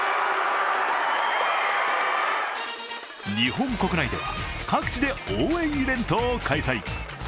日本国内では、各地で応援イベントを開催。